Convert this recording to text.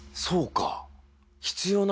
そうか。